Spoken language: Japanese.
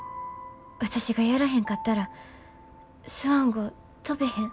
私がやらへんかったらスワン号飛ベへん。